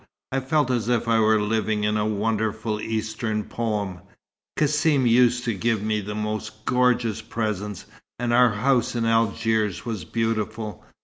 I felt as if I were living in a wonderful Eastern poem. Cassim used to give me the most gorgeous presents, and our house in Algiers was beautiful.